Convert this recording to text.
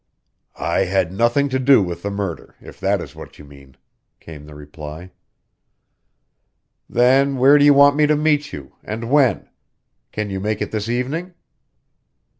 "I had nothing to do with the murder, if that is what you mean," came the reply. "Then where do you want me to meet you and when? Can you make it this evening?"